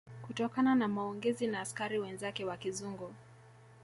Kutokana na maongezi na askari wenzake wa kizungu